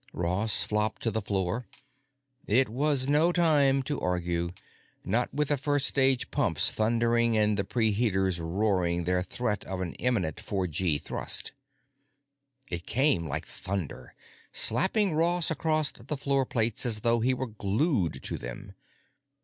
Ross flopped to the floor. It was no time to argue, not with the first stage pumps thundering and the preheaters roaring their threat of an imminent four G thrust. It came like thunder, slapping Ross against the floor plates as though he were glued to them.